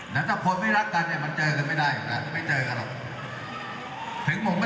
แล้วถ้าคนไม่รักกันเนี่ยมันเจอกันไม่ได้อาจจะไม่เจอกันหรอก